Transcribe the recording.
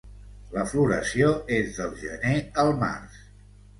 La floració és del gener al març.